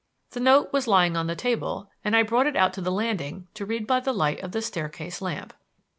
The note was lying on the table and I brought it out to the landing to read by the light of the staircase lamp.